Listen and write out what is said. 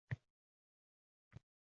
har shanba noma bitardi.